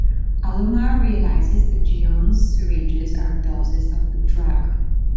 Alomar realizes that Gionne's syringes are doses of the drug.